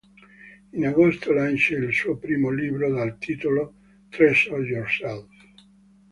In agosto lancia il suo primo libro, dal titolo "Treasure Yourself".